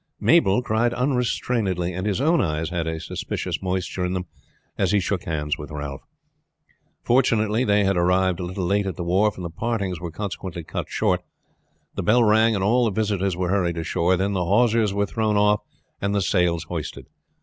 Mabel cried unrestrainedly, and his own eyes had a suspicious moisture in them as he shook hands with Ralph. Fortunately they had arrived a little late at the wharf, and the partings were consequently cut short. The bell rang, and all the visitors were hurried ashore; then the hawsers were thrown off and the sails hoisted.